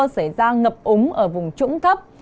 xảy ra ngập úng ở vùng trũng thấp